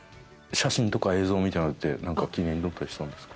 写真とか映像みたいのって記念に撮ったりしたんですか？